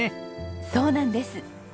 そうなんです。